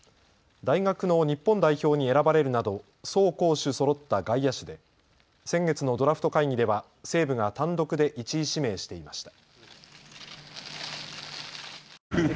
大学の日本代表に選ばれるなど走攻守そろった外野手で先月のドラフト会議では西武が単独で１位指名していました。